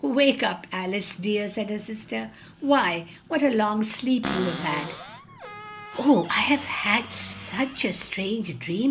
"Wake up, Al ice dear," said her sis ter; "why what a long sleep you have had!" "Oh, I've had such a strange dream!"